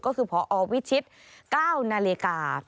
ก็คือพอวิชิตเก้านาเลกา